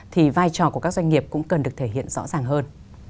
thì vai trò của các doanh nghiệp cũng cần được thể hiện rõ ràng hơn